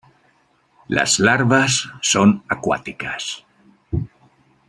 Las larvas son acuáticas.